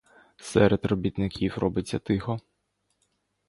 Серед робітників робиться тихо.